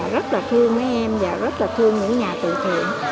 rất là thương mấy em và rất là thương những nhà từ thiện